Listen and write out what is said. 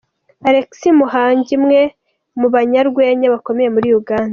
Alex Muhangi, umwe mubanyarwenya bakomeye muri Uganda.